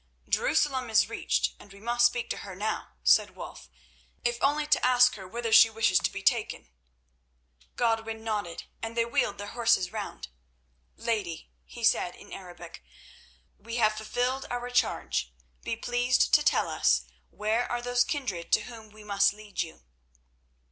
"Jerusalem is reached, and we must speak to her now," said Wulf, "if only to ask her whither she wishes to be taken." Godwin nodded, and they wheeled their horses round. "Lady," he said in Arabic, "we have fulfilled our charge. Be pleased to tell us where are those kindred to whom we must lead you."